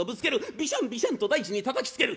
ビシャンビシャンと大地にたたきつける。